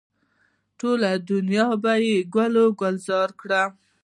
ټوله دنیا به ګل و ګلزاره کړي.